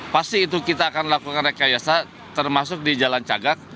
pasti itu kita akan lakukan rekayasa termasuk di jalan cagak